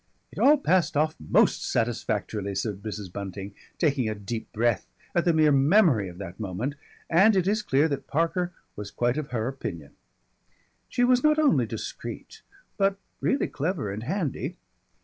"It all passed off most satisfactorily," said Mrs. Bunting, taking a deep breath at the mere memory of that moment. And it is clear that Parker was quite of her opinion. She was not only discreet but really clever and handy.